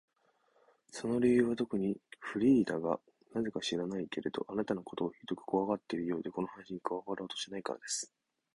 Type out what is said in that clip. その理由はとくに、フリーダがなぜか知らないけれど、あなたのことをひどくこわがっているようで、この話に加わろうとしないからです。